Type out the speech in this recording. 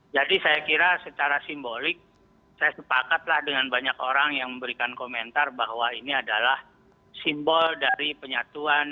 jadi saya kira secara simbolik saya sepakatlah dengan banyak orang yang memberikan komentar bahwa ini adalah simbol dari penyatuan